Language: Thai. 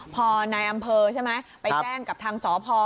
พอนายอำเภอใช่ไหมไปแจ้งกับทางสพ